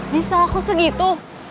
bisa aku segitu